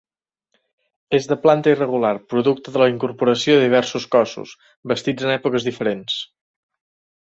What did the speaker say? És de planta irregular, producte de la incorporació de diversos cossos, bastits en èpoques diferents.